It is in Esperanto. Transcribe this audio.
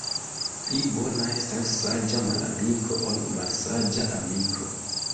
Pli bona estas saĝa malamiko, ol malsaĝa amiko.